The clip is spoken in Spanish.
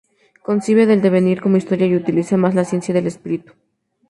Concibe el devenir como historia y utiliza más la ciencia del espíritu.